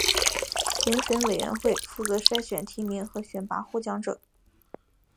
评审委员会负责筛选提名和选拔获奖者。